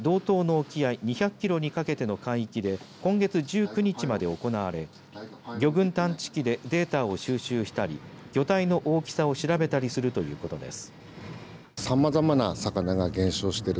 試験調査船北辰丸による調査は主に道東の沖合、２００キロにかけての海域で今月１９日まで行われ魚群探知機でデータを収集したり魚体の大きさを調べたりするということです。